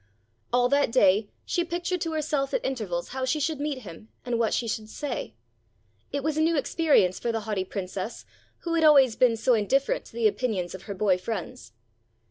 All that day she pictured to herself at intervals how she should meet him and what she should say. It was a new experience for the haughty Princess who had always been so indifferent to the opinions of her boy friends.